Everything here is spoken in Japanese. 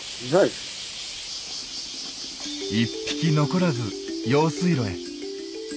一匹残らず用水路へ。